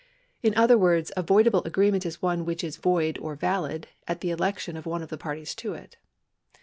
In other words, a voidable agreement is one which is void or valid at the election of one of the parties to it.